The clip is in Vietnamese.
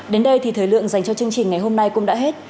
đến đây thì thời lượng dành cho chương trình ngày hôm nay cũng đã hết